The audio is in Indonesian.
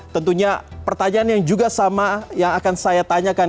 tentunya pertanyaan yang juga sama yang akan saya tanyakan